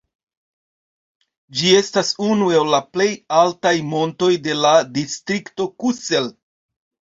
Ĝi estas unu el la plej altaj montoj de la distrikto Kusel.